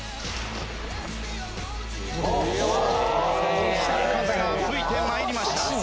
「春風が吹いて参りました」